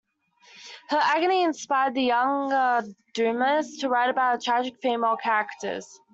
Her agony inspired the younger Dumas to write about tragic female characters.